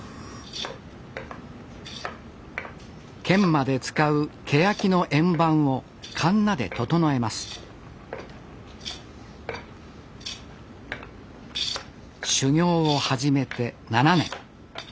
研磨で使うケヤキの円盤をかんなで整えます修業を始めて７年。